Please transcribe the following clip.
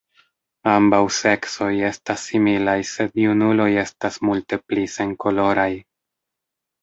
Ambaŭ seksoj estas similaj, sed junuloj estas multe pli senkoloraj.